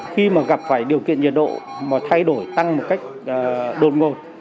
khi mà gặp phải điều kiện nhiệt độ mà thay đổi tăng một cách đột ngột